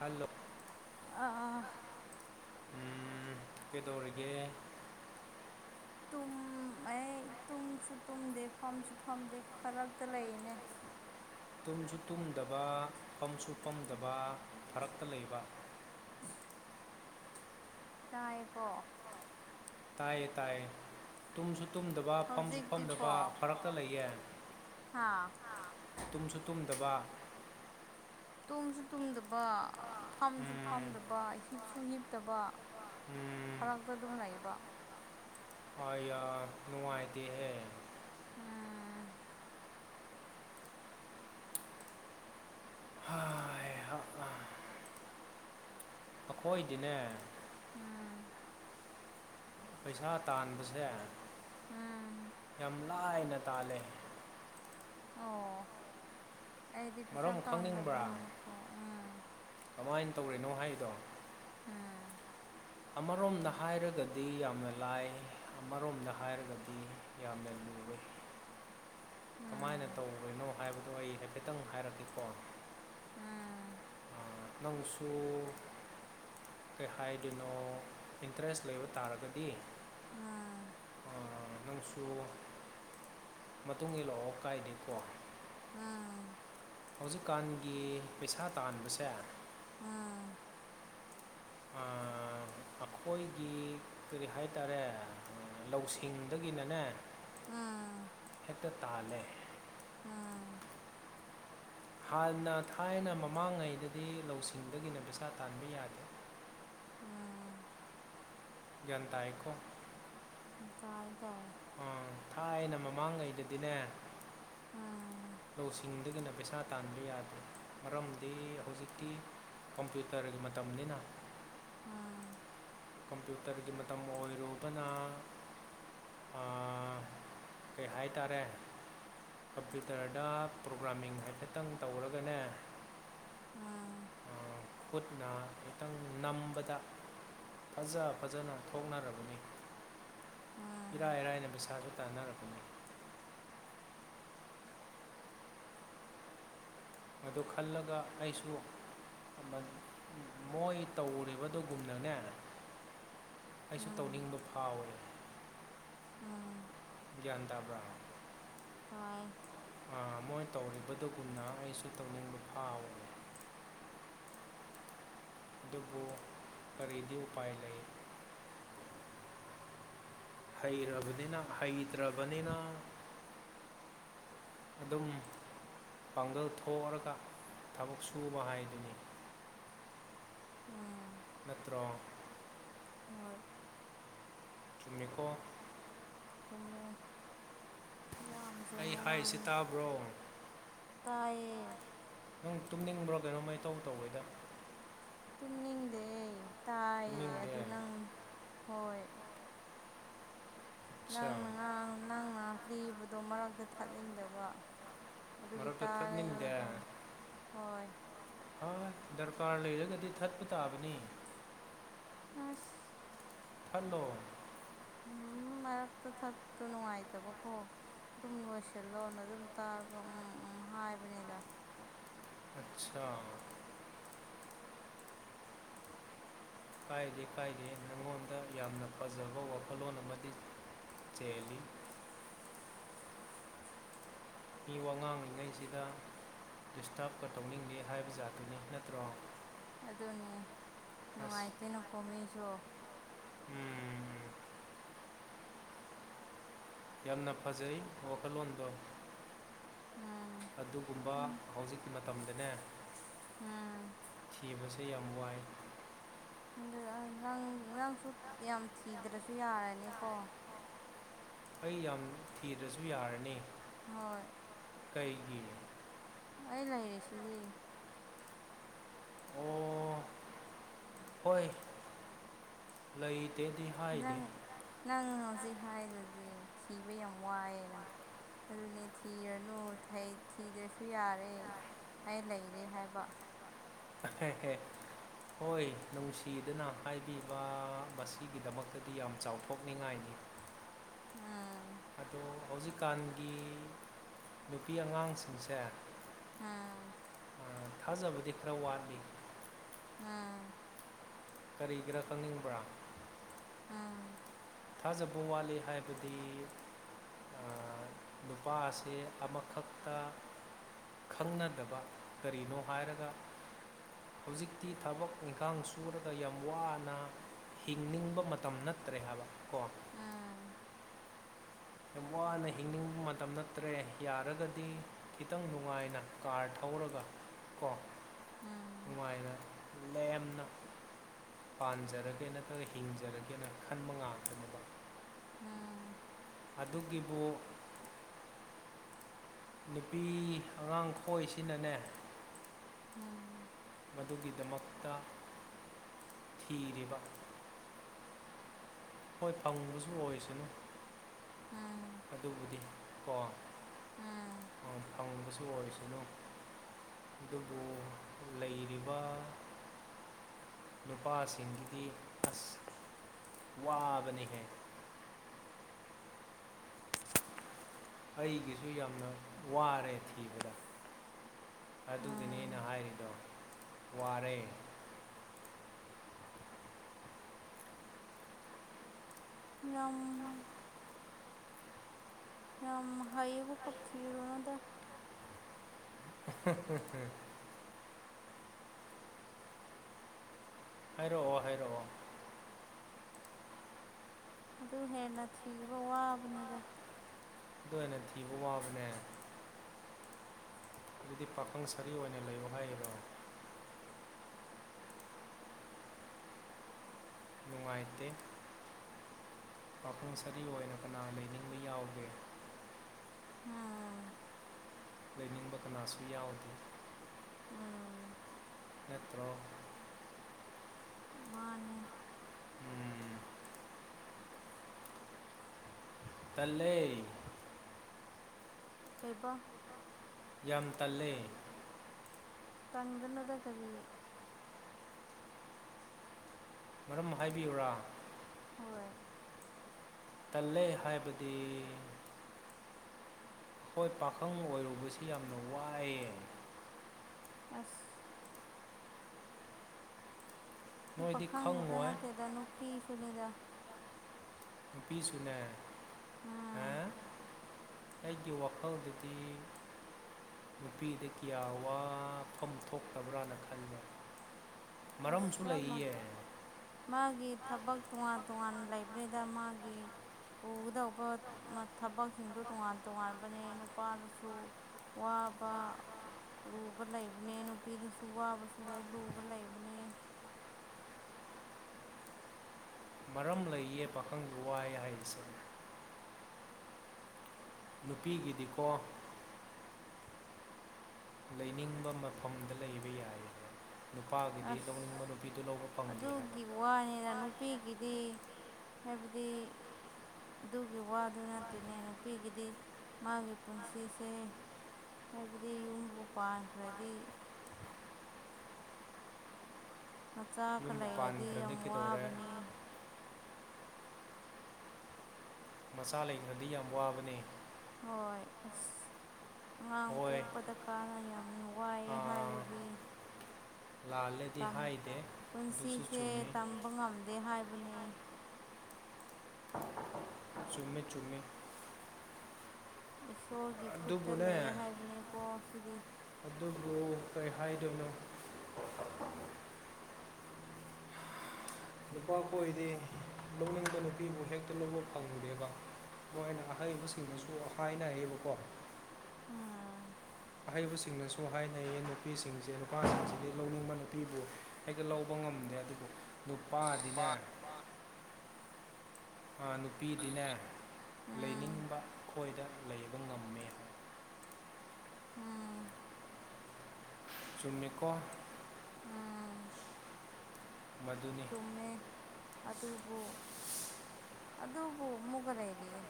hello ꯑꯥ ꯎꯝ ꯀꯩꯗꯧꯔꯤꯒꯦ ꯇꯨꯝꯃꯦ ꯇꯨꯝꯁꯨ ꯇꯨꯝꯗꯦ ꯐꯝꯁꯨ ꯐꯝꯗꯦ ꯐꯔꯛꯇ ꯂꯩꯔꯤꯅꯦ ꯇꯨꯝꯁꯨ ꯇꯨꯝꯗꯕ ꯐꯝꯁꯨ ꯐꯝꯗꯕ ꯐꯔꯛꯇ ꯂꯩꯕ ꯇꯥꯏꯌꯦꯀꯣ ꯇꯥꯏꯌꯦ ꯇꯥꯏꯌꯦ ꯇꯨꯝꯁꯨ ꯇꯨꯝꯗꯕ ꯐꯝꯁꯨ ꯍꯧꯖꯤꯛꯇꯤꯀꯣ ꯐꯝꯗꯕ ꯐꯔꯛꯇ ꯂꯩꯌꯦ ꯍꯥꯥ ꯍꯥ ꯇꯨꯝꯁꯨ ꯇꯨꯝꯗꯕ ꯇꯨꯝꯁꯨ ꯇꯨꯝꯗꯕ ꯐꯝꯁꯨ ꯎꯝ ꯐꯝꯗꯕ ꯍꯤꯞꯁꯨ ꯍꯤꯞꯇꯕ ꯎꯝ ꯐꯔꯛꯇ ꯑꯗꯨꯝ ꯂꯩꯕ ꯑꯌꯥ ꯅꯨꯡꯉꯥꯏꯇꯦꯍꯦ ꯎꯝ ꯍꯥꯏꯍꯥ ꯑꯩꯈꯣꯏꯗꯤꯅꯦ ꯎꯝ ꯄꯩꯁꯥ ꯇꯥꯟꯕꯁꯦ ꯎꯝ ꯌꯥꯝ ꯂꯥꯏꯅ ꯇꯥꯜꯂꯦ ꯑꯣ ꯑꯩꯗꯤ ꯄꯩꯁꯥ ꯃꯔꯝ ꯈꯪꯅꯤꯡꯕ꯭ꯔꯥ ꯇꯥꯟꯗꯕꯅꯤꯅꯀꯣ ꯎꯝ ꯀꯃꯥꯏꯅ ꯇꯧꯔꯤꯅꯣ ꯍꯥꯏꯗꯣ ꯎꯝ ꯑꯃꯔꯣꯝꯗ ꯍꯥꯏꯔꯒꯗꯤ ꯌꯥꯝꯅ ꯂꯥꯏ ꯑꯃꯔꯣꯝꯗ ꯍꯥꯏꯔꯒꯗꯤ ꯌꯥꯝꯅ ꯂꯨꯔꯦ ꯀꯃꯥꯏꯅ ꯇꯧꯈ꯭ꯔꯤꯅꯣ ꯍꯥꯏꯕꯗꯨ ꯑꯩ ꯍꯥꯏꯐꯦꯠꯇꯪ ꯍꯥꯏꯔꯛꯀꯦꯀꯣ ꯎꯝ ꯅꯪꯁꯨ ꯀꯩ ꯍꯥꯏꯗꯣꯏꯅꯣ ꯏꯟꯇꯔꯦꯁ ꯂꯩꯕ ꯇꯥꯔꯒꯗꯤ ꯑꯥ ꯑꯥ ꯅꯪꯁꯨ ꯃꯇꯨꯡ ꯏꯜꯂꯛꯑꯣ ꯀꯥꯏꯗꯦꯀꯣ ꯑꯥ ꯍꯧꯖꯤꯛꯀꯥꯟꯒꯤ ꯄꯩꯁꯥ ꯇꯥꯟꯕꯁꯦ ꯑꯥ ꯑꯥ ꯑꯩꯈꯣꯏꯒꯤ ꯀꯔꯤ ꯍꯥꯏꯇꯥꯔꯦ ꯂꯧꯁꯤꯡꯗꯒꯤꯅꯅꯦ ꯑꯥ ꯇꯥꯜꯂꯦ ꯑꯥ ꯍꯥꯟꯅ ꯊꯥꯏꯅ ꯃꯃꯥꯡꯉꯩꯗꯗꯤ ꯂꯧꯁꯤꯡꯗꯒꯤꯅ ꯄꯩꯁꯥ ꯇꯥꯟꯕ ꯌꯥꯗꯦ ꯎꯝ ꯒ꯭ꯌꯥꯟ ꯇꯥꯏꯀꯣ ꯇꯥꯏ ꯇꯥꯏ ꯑ ꯊꯥꯏꯅ ꯃꯃꯥꯡꯉꯩꯗꯗꯤꯅꯦ ꯎꯝ ꯂꯧꯁꯤꯡꯗꯒꯤꯅ ꯄꯩꯁꯥ ꯇꯥꯟꯕ ꯌꯥꯗꯦ ꯃꯔꯝꯗꯤ ꯍꯧꯖꯤꯛꯇꯤ ꯀꯝꯄ꯭ꯌꯨꯇꯔꯒꯤ ꯃꯇꯝꯅꯤꯅ ꯎꯝ ꯀꯝꯄ꯭ꯌꯨꯇꯔꯒꯤ ꯃꯇꯝ ꯑꯣꯏꯔꯨꯕꯅ ꯑꯥ ꯀꯩ ꯍꯥꯏꯇꯥꯔꯦ ꯀꯝꯄ꯭ꯌꯨꯇꯔꯗ ꯄ꯭ꯔꯣꯒ꯭ꯔꯥꯃꯤꯡ ꯍꯥꯏꯐꯦꯠꯇꯪ ꯇꯧꯔꯒꯅꯦ ꯑꯥ ꯑꯥ, ꯈꯨꯠꯅ ꯈꯤꯇꯪ ꯅꯝꯕꯗ ꯐꯖ ꯐꯖꯅ ꯊꯣꯛꯅꯔꯕꯅꯤ ꯎꯝ ꯏꯔꯥꯏ ꯔꯥꯏꯅ ꯄꯩꯁꯥꯁꯨ ꯇꯥꯟꯅꯔꯕꯅꯤ ꯃꯗꯨ ꯈꯜꯂꯒ ꯑꯩꯁꯨ ꯃꯣꯏ ꯇꯧꯔꯤꯕꯗꯨꯒꯨꯝꯅꯅꯦ ꯑꯩꯁꯨ ꯎꯝ ꯇꯧꯅꯤꯡꯕ ꯐꯥꯎꯋꯦ ꯎꯝ ꯒ꯭ꯌꯥꯟ ꯇꯥꯕ꯭ꯔꯥ ꯇꯥꯏ ꯃꯣꯏ ꯇꯧꯔꯤꯕꯗꯨ ꯑꯗꯨꯒꯨꯝꯅ ꯑꯩꯁꯨ ꯇꯧꯅꯤꯡꯕ ꯐꯥꯎꯋꯦ ꯑꯗꯨꯕꯨ ꯀꯔꯤꯗꯤ ꯎꯄꯥꯏ ꯂꯩ ꯍꯩꯔꯕꯅꯤꯅ ꯍꯩꯇ꯭ꯔꯕꯅꯤꯅ ꯑꯗꯨꯝ ꯄꯥꯡꯒꯜ ꯊꯣꯛꯔꯒ ꯊꯕꯛ ꯁꯨꯕ ꯍꯥꯏꯗꯨꯅꯤ ꯑꯥ ꯅꯠꯇ꯭ꯔꯣ ꯍꯣꯏ ꯆꯨꯝꯃꯤꯀꯣ ꯆꯨꯝꯃꯦ ꯌꯥꯝ ꯆꯨꯝꯕ ꯑꯩ ꯍꯥꯏꯔꯤꯁꯤ ꯇꯥꯕ꯭ꯔꯣ ꯇꯥꯌꯦ ꯅꯪ ꯇꯨꯝꯅꯤꯡꯕ꯭ꯔꯣ ꯀꯩꯅꯣꯃꯥ ꯏꯇꯧ ꯇꯧꯋꯦꯗ ꯇꯨꯝꯅꯤꯡꯗꯦ ꯇꯥꯏꯌꯦ ꯇꯨꯝꯅꯤꯡꯗꯦ ꯑꯗꯨ ꯅꯪ ꯍꯣꯏ ꯑꯠꯁꯥ ꯅꯪꯅ ꯉꯥꯡ ꯅꯪꯅ ꯂꯤꯕꯗꯣ ꯃꯔꯛꯇ ꯊꯠꯅꯤꯡꯗꯕ ꯑꯗꯨꯒꯤ ꯃꯔꯛꯇ ꯇꯥꯔꯦ ꯊꯠꯅꯤꯡꯗꯦ ꯍꯥꯏ ꯍꯣꯏ ꯑꯥ ꯗꯔꯀꯥꯔ ꯂꯩꯔꯒꯗꯤ ꯊꯠꯄ ꯇꯥꯕꯅꯤ ꯑꯁ ꯊꯠꯂꯣ ꯎꯝ ꯃꯔꯛꯇ ꯊꯠꯇꯣ ꯅꯨꯡꯉꯥꯏꯇꯕꯀꯣ ꯑꯗꯨꯝ ꯂꯣꯏꯁꯤꯜꯂꯣꯅ ꯑꯗꯨꯝ ꯇꯥꯔꯒ ꯎꯝ ꯎꯝ ꯍꯥꯏꯕꯅꯤꯗ ꯑꯠꯆꯥꯥ ꯀꯥꯏꯗꯦ ꯀꯥꯏꯗꯦ ꯅꯉꯣꯟꯗ ꯌꯥꯝꯅ ꯐꯖꯕ ꯋꯥꯈꯜꯂꯣꯟ ꯑꯃꯥꯗꯤ ꯆꯦꯜꯂꯤ ꯃꯤ ꯋꯥ ꯉꯥꯡꯂꯤꯉꯩꯁꯤꯗ ꯗꯤꯁꯇꯔꯕꯀꯥ ꯇꯧꯅꯤꯡꯗꯦ ꯍꯥꯏꯕ ꯖꯥꯠꯇꯨꯅꯤ ꯅꯠꯇ꯭ꯔꯣ ꯑꯗꯨꯅꯤ ꯑꯁ ꯅꯨꯡꯉꯥꯏꯇꯦꯅ ꯀꯣ ꯃꯤꯁꯨ ꯎꯝ ꯌꯥꯝꯅ ꯐꯖꯩ ꯋꯥꯈꯜꯂꯣꯟꯗꯣ ꯎꯝ ꯑꯗꯨꯒꯨꯝꯕ ꯍꯧꯖꯤꯛꯀꯤ ꯃꯇꯝꯗꯅꯦ ꯎꯝ ꯊꯤꯕꯁꯦ ꯌꯥꯝ ꯋꯥꯏ [unintelligible] ꯅꯪ ꯅꯪꯁꯨ ꯌꯥꯝ ꯊꯤꯗ꯭ꯔꯁꯨ ꯌꯥꯔꯅꯤꯀꯣ ꯇꯥꯔꯦꯀꯣ ꯑꯩ ꯌꯥꯝ ꯊꯤꯗ꯭ꯔꯁꯨ ꯌꯥꯔꯅꯤ ꯍꯣꯏ ꯀꯩꯒꯤ ꯑꯩ ꯂꯩꯔꯤꯁꯤꯗꯤ ꯑꯣ ꯍꯣꯏ ꯂꯩꯇꯦꯗꯤ ꯍꯥꯏꯗꯦ ꯅꯪ ꯅꯪ ꯍꯧꯖꯤꯛ ꯍꯥꯏꯗꯨꯗꯤ ꯊꯤꯕ ꯌꯥꯝ ꯋꯥꯏꯑꯦꯅ ꯑꯗꯨꯅꯦ ꯊꯤꯔꯅꯨ ꯊꯩ ꯊꯤꯗ꯭ꯔꯁꯨ ꯌꯥꯔꯦ ꯑꯩ ꯂꯩꯔꯦ ꯍꯥꯏꯕ ꯑꯍꯦꯍꯦ ꯍꯣꯏ ꯅꯨꯡꯁꯤꯗꯅ ꯍꯥꯏꯕꯤꯕ ꯃꯁꯤꯒꯤꯗꯃꯛꯇꯗꯤ ꯌꯥꯝ ꯆꯥꯎꯊꯣꯛꯅꯤꯡꯉꯥꯏꯅꯤ ꯎꯝ ꯑꯗꯣ ꯍꯧꯖꯤꯛꯀꯥꯟꯒꯤ ꯅꯨꯄꯤ ꯑꯉꯥꯡꯁꯤꯡꯁꯦ ꯎꯝ ꯑ‌ ꯊꯥꯖꯕꯗꯤ ꯈꯔ ꯋꯥꯠꯂꯤ ꯎꯝ ꯀꯔꯤꯒꯤꯔꯥ ꯈꯪꯅꯤꯡꯕ꯭ꯔꯥ ꯎꯝ ꯊꯥꯖꯕ ꯋꯥꯠꯂꯤ ꯍꯥꯏꯕꯗꯤ ꯑꯥ ꯅꯨꯄꯥ ꯑꯁꯦ ꯑꯃꯈꯛꯇ ꯈꯪꯅꯗꯕ ꯀꯔꯤꯅꯣ ꯍꯥꯏꯔꯒ ꯍꯧꯖꯤꯛꯇꯤ ꯊꯕꯛ ꯏꯪꯈꯥꯡ ꯁꯨꯔꯒ ꯌꯥꯝ ꯋꯥꯅ ꯍꯤꯡꯅꯤꯡꯕ ꯃꯇꯝ ꯅꯠꯇ꯭ꯔꯦ ꯍꯥꯏꯕ ꯀꯣ ꯌꯥꯝ ꯋꯥꯅ ꯍꯤꯡꯅꯤꯡꯕ ꯃꯇꯝ ꯅꯠꯇ꯭ꯔꯦ ꯌꯥꯔꯒꯗꯤ ꯈꯤꯇꯪ ꯅꯨꯡꯉꯥꯏꯅ ꯀꯥꯔ ꯊꯧꯔꯒ ꯀꯣ ꯎꯝ ꯅꯨꯡꯉꯥꯏꯅ ꯂꯦꯝꯅ ꯄꯥꯟꯖꯔꯒꯦ ꯅꯠꯇ꯭ꯔꯒ ꯍꯤꯡꯖꯔꯒꯦꯅ ꯈꯟꯕ ꯉꯥꯛꯇꯅꯦꯕ ꯎꯝ ꯑꯗꯨꯒꯤꯕꯨ ꯅꯨꯄꯤ ꯑꯉꯥꯡ ꯈꯣꯏꯁꯤꯅꯅꯦ ꯎꯝ ꯃꯗꯨꯒꯤꯗꯃꯛꯇ ꯊꯤꯔꯤꯕ ꯍꯣꯏ ꯐꯪꯕꯁꯨ ꯑꯣꯏꯁꯅꯨ ꯎꯝ ꯑꯗꯨꯕꯨꯗꯤ ꯀꯣ ꯎꯝ ꯎꯝ ꯑ ꯐꯪꯕꯁꯨ ꯑꯣꯏꯁꯅꯨ ꯑꯗꯨꯕꯨ ꯂꯩꯔꯤꯕ ꯅꯨꯄꯥꯁꯤꯡꯒꯤꯗꯤ ꯑꯁ ꯋꯥꯕꯅꯤꯍꯦ ꯑꯩꯒꯤꯁꯨ ꯌꯥꯝꯅ ꯋꯥꯔꯦ ꯊꯤꯕꯗ ꯑꯗꯨꯒꯤꯅꯦ ꯎꯝ ꯑꯩꯅ ꯍꯥꯏꯔꯤꯗꯣ ꯋꯥꯔꯦ ꯉꯝ ꯌꯥꯝ ꯍꯩꯕꯒꯥ ꯊꯤꯔꯨꯅꯨꯗ [unintelligible] ꯍꯥꯏꯔꯛꯑꯣ ꯍꯥꯏꯔꯛꯑꯣ ꯑꯗꯨ ꯍꯦꯟꯅ ꯊꯤꯕ ꯋꯥꯕꯅꯤꯗ ꯑꯗꯨ ꯑꯣꯏꯅ ꯊꯤꯕ ꯋꯥꯕꯅꯦ ꯑꯗꯨꯗꯤ ꯄꯥꯈꯪ ꯁꯔꯤ ꯑꯣꯏꯅ ꯂꯩꯌꯣ ꯍꯥꯏꯔꯤꯔꯣ ꯅꯨꯡꯉꯥꯏꯇꯦ ꯄꯥꯥꯈꯪ ꯁꯥꯔꯤ ꯑꯣꯏꯅ ꯀꯅꯥ ꯂꯩꯅꯤꯡꯕ ꯌꯥꯎꯒꯦ ꯎꯝ ꯂꯩꯅꯤꯡꯕ ꯀꯅꯥꯁꯨ ꯌꯥꯎꯗꯦ ꯎꯝ ꯅꯠꯇ꯭ꯔꯣ ꯃꯥꯟꯅꯦ ꯎꯝ ꯇꯜꯂꯦ ꯀꯩꯕꯣ ꯌꯥꯝ ꯇꯜꯂꯦ ꯇꯟꯒꯅꯣꯗ ꯀꯔꯤ ꯃꯔꯝ ꯍꯥꯏꯕꯤꯌꯨꯔꯥ ꯍꯣꯏ ꯇꯜꯂꯦ ꯍꯥꯏꯕꯗꯤ ꯍꯣꯏ ꯄꯥꯈꯪ ꯑꯣꯏꯔꯨꯕꯁꯤ ꯌꯥꯝꯅ ꯋꯥꯏꯌꯦ ꯑꯁ ꯅ ꯅꯣꯏꯗꯤ ꯄꯥꯈꯪ ꯈꯛꯇ ꯈꯪꯉꯣꯏ ꯅꯠꯇꯦꯗ ꯅꯨꯄꯤ ꯁꯨꯅꯤꯗ ꯅꯨꯄꯤꯁꯨꯅꯦ ꯍꯥ ꯎꯝ ꯑꯩꯒꯤ ꯋꯥꯈꯜꯗꯗꯤ ꯅꯨꯄꯤꯗꯤ ꯀꯌꯥ ꯋꯥꯐꯝ ꯊꯣꯛꯇꯕ꯭ꯔꯥꯅ ꯈꯟꯕ ꯑꯁ ꯆꯞꯃ ꯃꯥꯒꯤ ꯊꯕꯛ ꯇꯣꯉꯥꯟ ꯇꯣꯉꯥꯟꯅ ꯂꯩꯕꯅꯤꯗ ꯃꯥꯒꯤ ꯄꯨꯒꯗꯧꯕ ꯃ ꯊꯕꯛꯁꯤꯡꯗꯣ ꯇꯣꯉꯥꯟ ꯇꯣꯉꯥꯟꯕꯅꯦ ꯅꯨꯄꯥꯗꯨꯁꯨ ꯋꯥꯕ ꯂꯨꯕ ꯂꯩꯕꯅꯦ ꯅꯨꯄꯤꯗꯨꯁꯨ ꯋꯥꯕꯁꯨ ꯂꯩ ꯂꯨꯕ ꯂꯩꯕ ꯕꯅꯦ ꯃꯔꯝ ꯂꯩꯌꯦ ꯄꯥꯈꯪꯁꯨ ꯋꯥꯏ ꯍꯥꯏꯕꯁꯦ ꯅꯨꯄꯤꯒꯤꯗꯤꯀꯣ ꯂꯩꯅꯤꯡꯕ ꯃꯐꯝꯗ ꯂꯩꯕ ꯌꯥꯏ ꯅꯨꯄꯥꯒꯤꯗꯤ ꯑꯁ ꯂꯧꯅꯤꯡꯕ ꯅꯨꯄꯤꯗꯨ ꯂꯧꯕ ꯐꯪꯗꯦ ꯍꯥꯏ ꯋꯥꯏꯌꯦ ꯒꯤꯗꯤ ꯍꯥꯏꯕꯗꯤ ꯑꯗꯨꯒꯤ ꯋꯥꯗꯨ ꯅꯠꯇꯦꯅꯦ ꯅꯨꯄꯤꯒꯤꯗꯤ ꯃꯥꯒꯤ ꯄꯨꯟꯁꯤꯁꯦ ꯍꯥꯏꯕꯗꯤ ꯌꯨꯝꯕꯨ ꯄꯥꯟꯈ꯭ꯔꯗꯤ ꯃꯆꯥꯒ ꯌꯨꯝꯕꯨ ꯂꯩꯔꯗꯤ ꯄꯥꯟꯈ꯭ꯔꯗꯤ ꯌꯥꯝ ꯀꯩꯗꯧꯔꯦ ꯋꯥꯕꯅꯤ ꯃꯆꯥ ꯂꯩꯈ꯭ꯔꯗꯤ ꯌꯥꯝ ꯋꯥꯕꯅꯦ ꯍꯣꯏ ꯑꯁ ꯑꯉꯥꯡ ꯍꯣꯏ ꯄꯣꯛꯄꯗ ꯀꯥꯟꯅ ꯌꯥꯝꯅ ꯋꯥꯏꯌꯦ ꯑꯥ, ꯍꯥꯏꯗꯨꯗꯤ ꯂꯥꯜꯂꯦꯗꯤ ꯇꯝ ꯍꯥꯏꯗꯦ ꯑꯗꯨꯁꯨ ꯄꯨꯟꯁꯤꯁꯦ ꯆꯨꯝꯃꯤ ꯇꯝꯕ ꯉꯝꯗꯦ ꯍꯥꯏꯕꯅꯦ [inaudible] ꯆꯨꯝꯃꯦ ꯆꯨꯝꯃꯦ ꯏꯁꯣꯔꯒꯤ ꯈꯨꯠꯇ ꯑꯗꯨꯕꯨꯅꯦ ꯂꯩꯌꯦ ꯍꯥꯏꯕꯅꯦꯀꯣ ꯁꯤꯗꯤ ꯑꯗꯨꯕꯨ ꯀꯩ ꯍꯥꯏꯗꯣꯏꯅꯣ ꯅꯨꯄꯥ ꯀꯣꯏꯗꯤ ꯂꯧꯅꯤꯡꯕꯥ ꯅꯨꯄꯤꯕꯨ ꯍꯦꯛꯇ ꯂꯧꯕ ꯐꯪꯗꯦꯕ ꯃꯣꯏꯅ ꯑꯍꯩꯕꯁꯤꯡꯗꯨꯁꯨ ꯍꯥꯏꯅꯩꯌꯦꯕꯀꯣ ꯑꯥ ꯑꯍꯩꯕꯁꯤꯡꯅꯁꯨ ꯍꯥꯏꯅꯩꯌꯦ ꯅꯨꯄꯤꯁꯤꯡꯁꯦ ꯅꯨꯄꯥꯁꯤꯡꯁꯤꯗꯤ ꯂꯧꯅꯤꯡꯕ ꯅꯨꯄꯤꯕꯨ ꯍꯦꯛꯇ ꯂꯧꯕ ꯉꯝꯗ꯭ꯔꯦ ꯑꯗꯨꯕꯨ ꯅꯨꯄꯥ ꯅꯨꯄꯥꯗꯤꯅꯦ ꯑ ꯅꯨꯄꯤꯗꯤꯅꯦ ꯅꯨꯄꯤ ꯎꯝ ꯂꯩꯅꯤꯡꯕ ꯈꯣꯏꯗ ꯂꯩꯕ ꯉꯝꯃꯦ ꯑ ꯆꯨꯝꯃꯤꯀꯣ ꯎꯝ ꯃꯗꯨ ꯆꯨꯝꯃꯦ ꯑꯗꯨꯕꯨ ꯑꯗꯨꯕꯨ ꯃꯨꯒ ꯂꯩꯔꯤꯌꯦ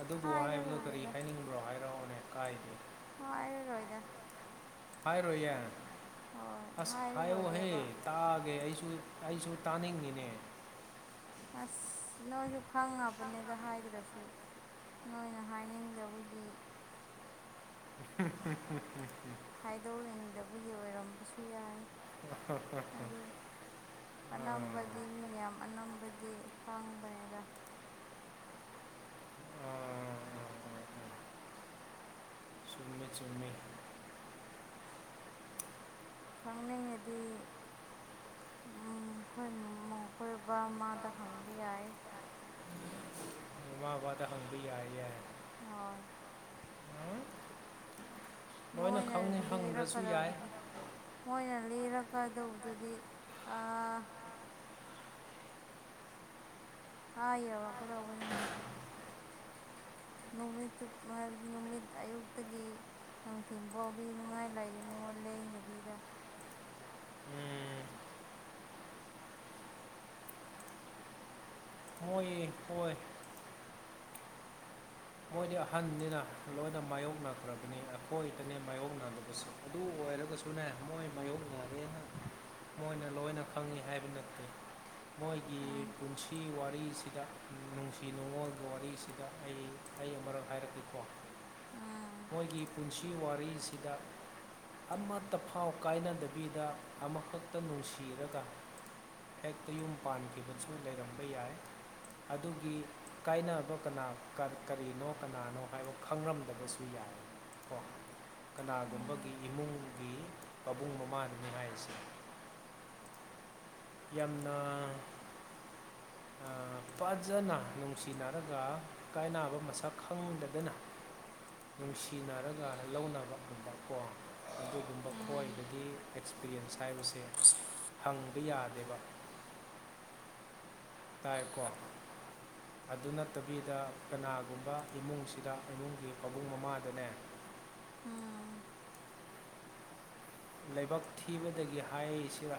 ꯑꯗꯨꯕꯨ ꯍꯥꯏꯕꯗꯨ ꯀꯔꯤ ꯍꯥꯏꯔꯔꯣꯏꯒꯦꯗ ꯍꯥꯏꯅꯤꯡꯕ꯭ꯔꯣ ꯍꯥꯏꯔꯛꯑꯣꯅꯦ ꯀꯥꯏꯗꯦ ꯍꯥꯏꯔ ꯔꯣꯏꯗ ꯍꯥꯏꯔꯣꯏꯌꯦ ꯍꯣꯏ ꯑꯁ ꯍꯥꯏ ꯑꯣ ꯍꯦ ꯍꯥꯏꯔꯔꯣꯏꯒꯦꯕ ꯇꯥꯒꯦ ꯑꯩꯁꯨ ꯑꯩꯁꯨ ꯇꯥꯅꯤꯡꯉꯤꯅꯦ ꯑꯁ ꯅꯣꯏꯁꯨ ꯈꯪꯉꯕꯅꯦꯗ ꯍꯥꯏꯗ꯭ꯔꯁꯨ ꯅꯣꯏꯅ ꯍꯥꯏꯅꯤꯡꯗꯕꯒꯤ [unintelligible] ꯍꯥꯏꯗꯣꯛꯔꯤꯡꯗꯕꯒꯤ ꯑꯣꯏꯔꯝꯕꯁꯨ ꯌꯥꯏ ꯑꯗꯨ ꯑꯥ ꯑꯅꯝꯕ ꯗꯤ ꯃꯤ ꯃꯌꯥꯝ ꯑꯅꯝꯕꯗꯤ ꯈꯪꯕꯅꯦꯗ ꯑꯥ ꯑꯥ ꯆꯨꯝꯃꯦ ꯆꯨꯝꯃꯦ ꯈꯪꯅꯤꯡꯉꯗꯤ ꯎꯝ ꯈꯣꯏ ꯃꯧ ꯈꯣꯏ ꯕꯥ ꯃꯥꯗ ꯍꯪꯕ ꯌꯥꯏ [inaudible] ꯏꯃꯥ ꯕꯥꯗ ꯍꯪꯕ ꯌꯥꯏꯌꯦ ꯍꯣꯏ ꯂꯣꯏꯅ ꯃꯣꯏꯅ ꯈꯪꯉꯤ ꯍꯪꯗ꯭ꯔꯁꯨ ꯌꯥꯏ ꯂꯤꯔꯛꯀꯗꯧꯕꯗꯤ ꯃꯣꯏꯅ ꯂꯤꯔꯛꯀꯗꯧꯕꯗꯨꯗꯤ ꯑꯥꯥꯥꯥꯥ ꯑꯥ ꯌꯧꯔꯛꯀꯗꯧꯕꯅꯤ [unintelligible] ꯅꯨꯃꯤꯠ ꯆꯨꯞ ꯍꯥꯏꯕꯗꯤ ꯅꯨꯃꯤꯠ ꯑꯌꯨꯛꯇꯒꯤ ꯅꯨꯡꯊꯤꯟꯕꯧ ꯂꯤꯅꯤꯉꯥꯏ ꯂꯩꯒꯅꯤꯉꯣ ꯂꯦꯡꯗꯕꯤꯗ ꯎꯝ, ꯃꯣꯏꯌꯦ ꯈꯣꯏ ꯃꯣꯏꯗꯤ ꯑꯍꯟꯅꯤꯅ ꯂꯣꯏꯅ ꯃꯥꯌꯣꯛꯅꯈ꯭ꯔꯕꯅꯤ ꯑꯩꯈꯣꯏꯗꯅꯦ ꯃꯥꯥꯏꯌꯣꯛꯅꯕꯗꯁꯨ ꯑꯗꯨ ꯑꯣꯏꯔꯒꯁꯨꯅꯦ ꯃꯣꯏ ꯃꯥꯏꯌꯣꯛꯅꯔꯦꯅ ꯃꯣꯏꯅ ꯂꯣꯏꯅ ꯈꯪꯉꯤ ꯍꯥꯏꯕ ꯅꯠꯇꯦ ꯃꯣꯏꯒꯤ ꯎꯝ ꯄꯨꯟꯁꯤ ꯋꯥꯔꯤꯁꯤꯗ ꯅꯨꯡꯁꯤ ꯅꯨꯡꯉꯣꯟꯒꯤ ꯋꯥꯔꯤꯁꯤꯗ ꯑꯩ ꯑꯩ ꯑꯃꯔꯛ ꯍꯥꯏꯔꯛꯀꯦꯀꯣ ꯎꯝ ꯃꯣꯏꯒꯤ ꯄꯨꯟꯁꯤ ꯋꯥꯔꯤꯁꯤꯗ ꯑꯃꯠꯇ ꯐꯥꯎ ꯀꯥꯏꯅꯗꯕꯤꯗ ꯑꯃꯥꯈꯛꯇ ꯅꯨꯡꯁꯤꯔꯒ ꯍꯦꯛꯇ ꯌꯨꯝ ꯄꯥꯟꯈꯤꯕꯁꯨ ꯂꯩꯔꯝꯕ ꯌꯥꯏ ꯑꯗꯨꯒꯤ ꯀꯥꯏꯅꯕ ꯀꯅꯥ ꯀꯠ ꯀꯔꯤꯅꯣ ꯀꯅꯥꯅꯣ ꯍꯥꯏꯕ ꯈꯪꯔꯝꯗꯕꯁꯨ ꯌꯥꯏ ꯀꯣ ꯎꯝ ꯀꯅꯥꯒꯨꯝꯕꯒꯤ ꯏꯃꯨꯡꯒꯤ ꯄꯥꯕꯨꯡ ꯃꯃꯥꯅꯅꯤ ꯍꯥꯏꯔꯤꯁꯦ ꯌꯥꯝꯅ ꯑꯥ ꯄꯥꯖꯅ ꯅꯨꯡꯁꯤꯅꯔꯒ ꯀꯥꯏꯅꯕ ꯃꯁꯛ ꯈꯪꯗꯗꯅ ꯅꯨꯡꯁꯤꯅꯔꯒ ꯂꯧꯅꯕ ꯎꯕꯀꯣ ꯑꯗꯨꯒꯨꯝꯕ ꯎꯝ ꯈꯣꯏꯗꯒꯤ ꯑꯦꯛꯁꯄꯤꯔꯤꯌꯦꯟꯁ ꯍꯥꯏꯕꯁꯦ ꯍꯪꯕ ꯌꯥ ꯗꯦꯕ ꯇꯥꯏꯀꯣ ꯑꯗꯨ ꯅꯠꯇꯕꯤꯗ ꯀꯅꯥꯒꯨꯝꯕ ꯏꯃꯨꯡꯁꯤꯗ ꯏꯃꯨꯡꯒꯤ ꯃꯕꯨꯡ ꯃꯃꯥꯗꯅꯦ ꯎꯝ ꯂꯩꯕꯛ ꯊꯤꯕꯗꯒꯤ ꯍꯥꯏꯁꯤꯔ